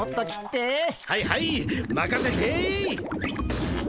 はいはいまかせて。